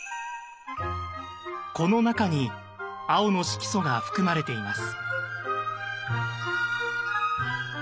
この中に青の色素が含まれています。